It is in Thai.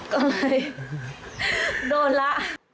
ก็เลยโดนละ